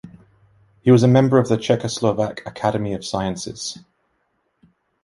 He was a member of the Czechoslovak Academy of Sciences.